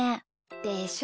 でしょ？